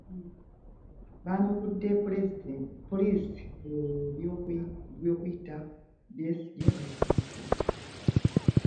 Baanukudde poliisi ku by'okuyita Besigye ne Zaakwe.